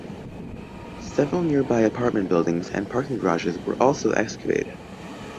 Several nearby apartment buildings and parking garages were also evacuated.